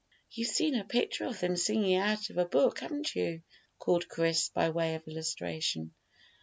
"You've seen a picture of them singing out of a book, haven't you?" called Chris, by way of illustration.